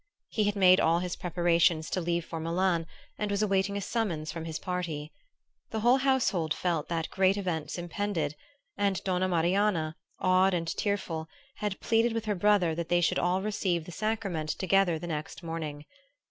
He had made all his preparations to leave for Milan and was awaiting a summons from his party. The whole household felt that great events impended, and Donna Marianna, awed and tearful, had pleaded with her brother that they should all receive the sacrament together the next morning.